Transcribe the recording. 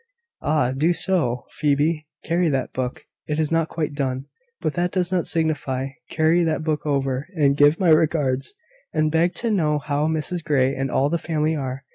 "Ah! do so, Phoebe. Carry that book, it is not quite due, but that does not signify; carry that book over, and give my regards, and beg to know how Mrs Grey and all the family are.